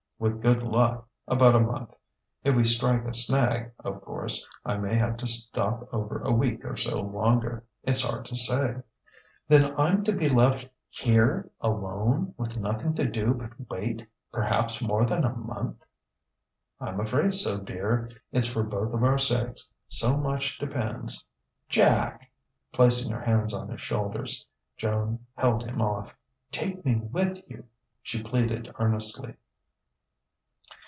"With good luck, about a month. If we strike a snag, of course, I may have to stop over a week or so longer. It's hard to say." "Then I'm to be left here alone with nothing to do but wait perhaps more than a month!" "I'm afraid so, dear. It's for both of our sakes. So much depends " "Jack!" Placing her hands on his shoulders, Joan held him off. "Take me with you," she pleaded earnestly.